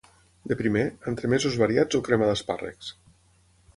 De primer, entremesos variats o crema d’espàrrecs.